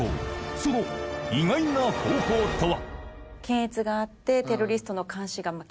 その意外な方法とは？